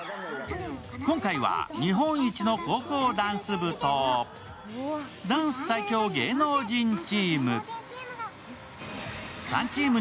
今回は日本一の高校ダンス部とダンス最強芸能人チーム。